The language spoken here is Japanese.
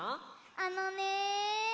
あのね。